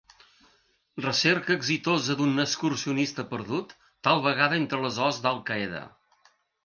Recerca exitosa d'un excursionista perdut, tal vegada entre les hosts d'Al Qaeda.